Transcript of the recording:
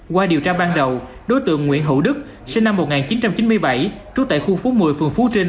qua điều tra ban đầu đối tượng nguyễn hữu đức sinh năm một nghìn chín trăm chín mươi bảy trú tại khu phố một mươi phường phú trinh